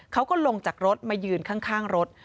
เขาก็ลงจากรถมายืนข้างรถ